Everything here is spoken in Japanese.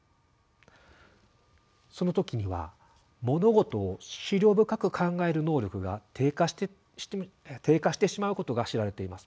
その時には物事を思慮深く考える能力が低下してしまうことが知られています。